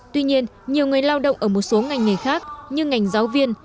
tuy nhiên nhiều người lao động ở một số ngành nghề khác như ngành giáo viên